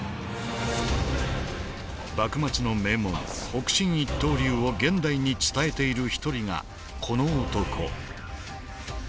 幕末の名門北辰一刀流を現代に伝えている一人がこの男。